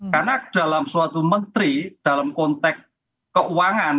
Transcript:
karena dalam suatu menteri dalam konteks keuangan